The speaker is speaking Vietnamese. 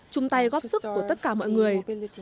chung tay góp sức của tất cả mọi người